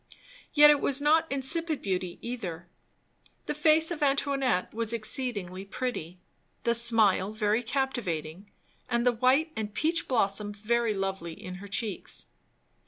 Yet it was not insipid beauty either; the face of Antoinette was exceedingly pretty, the smile very captivating, and the white and peach blossom very lovely in her cheeks.